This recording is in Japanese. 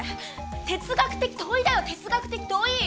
哲学的問いだよ哲学的問い！